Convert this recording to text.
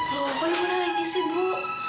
loh apa ibu nangis ibu